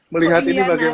melihat ini bagaimana